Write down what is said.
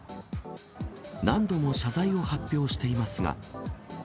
何度も謝罪を発表していますが。